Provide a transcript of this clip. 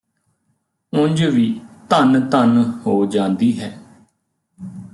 ਉਂਜ ਵੀ ਧੰਨ ਧੰਨ ਹੋ ਜਾਂਦੀ ਹੈ